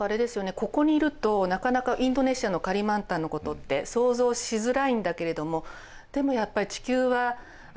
ここにいるとなかなかインドネシアのカリマンタンのことって想像しづらいんだけれどもでもやっぱり地球は改めて一つなんだな。